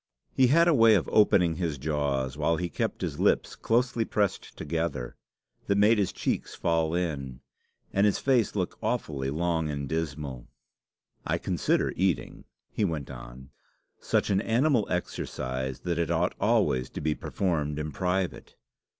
He had a way of opening his jaws while he kept his lips closely pressed together, that made his cheeks fall in, and his face look awfully long and dismal. "I consider eating," he went on, "such an animal exercise that it ought always to be performed in private.